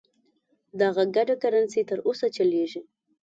دغه ګډه کرنسي تر اوسه چلیږي.